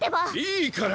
いいから！